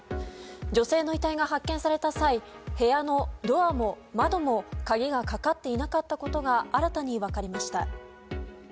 女性の遺体が発見された際部屋のドアも窓も鍵がかかっていなかったことが新たに分かりました。